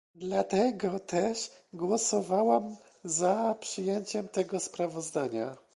Dlatego też głosowałam za przyjęciem tego sprawozdania